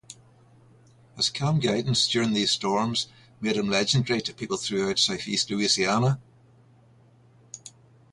His calm guidance during these storms made him legendary to people throughout southeast Louisiana.